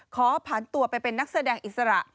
ขอผ่านตัวไปเป็นนักแสดงอิสระ